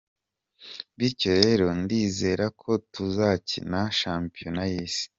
Bityo rero ndizera ko tuzakina shampiyona y’isi”.